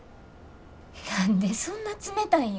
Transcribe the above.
何でそんな冷たいんよ。